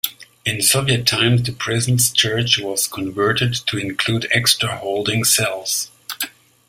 In Soviet times the prison's church was converted to include extra holding cells.